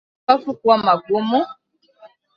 Mapafu kuwa magumu